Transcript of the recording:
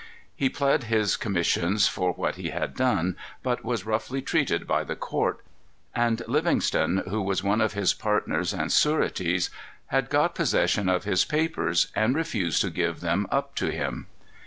He plead his commissions for what he had done, but was roughly treated by the court; and Livingston, who was one of his partners and sureties, had got possession of his papers, and refused to give them up to him.